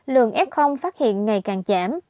lường f phát hiện ngày càng chảm